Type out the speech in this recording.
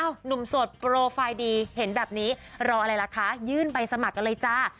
หนุ่มโสดโปรไฟล์ดีเห็นแบบนี้รออะไรล่ะคะยื่นใบสมัครกันเลยจ้า